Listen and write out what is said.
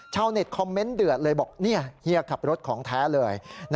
ชาวเน็ตคอมเมนต์เดือดเลยบอกเฮียขับรถของแท้เลย